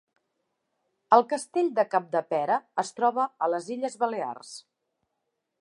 El Castell de Capdepera es troba a les Illes Balears.